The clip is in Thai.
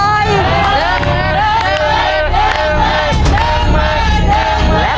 โอ้โห